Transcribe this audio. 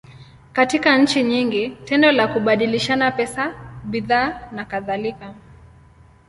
Katika nchi nyingi, tendo la kubadilishana pesa, bidhaa, nakadhalika.